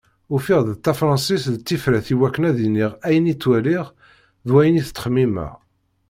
Ufiɣ-d tafransist d tifrat i wakken ad d-iniɣ ayen i ttwaliɣ d wayen i txemmimeɣ.